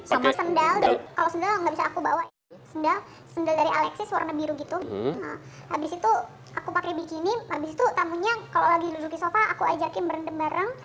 abis itu aku pakai bikini habis itu tamunya kalau lagi duduk di sofa aku ajakin berendam berendam